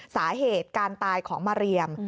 สาเหตุการตายของมาเรียม